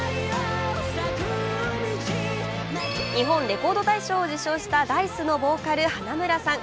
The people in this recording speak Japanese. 日本レコード大賞を受賞したＤａ−ｉＣＥでボーカルを務める花村さん。